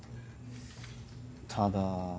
ただ。